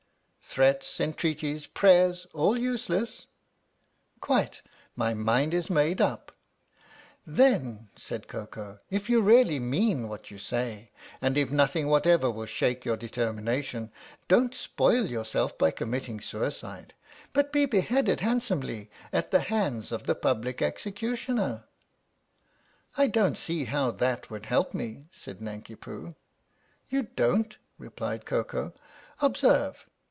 "Threats, entreaties, prayers all useless?" " Quite. My mind is made up." " Then," said Koko, " if you really mean what you say, and if nothing whatever will shake your determination, don't spoil yourself by committing suicide, but be beheaded handsomely at the hands of the Public Executioner." " I don't see how that would help me," said Nanki Poo. "You don't?" replied Koko. "Observe.